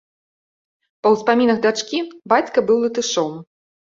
Па ўспамінах дачкі, бацька быў латышом.